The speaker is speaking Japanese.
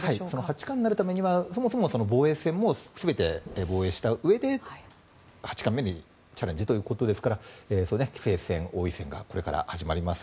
八冠になるためには防衛戦も全て防衛したうえで八冠目にチャレンジということですから棋聖戦、王位戦がこれから始まります。